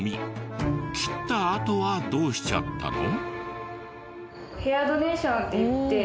切ったあとはどうしちゃったの？